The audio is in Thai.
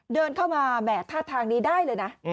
เดินเข้ามาแหม่ท่าทางนี้ได้เลยนะ